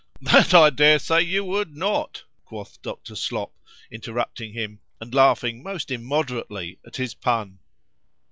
—That I dare say you would not, quoth Dr. Slop, interrupting him, and laughing most immoderately at his pun.